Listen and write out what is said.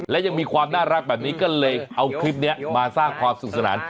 และยังมีความน่ารักแบบนี้ก็เลยเอาคลิปนี้มาสร้างความสุขสนาน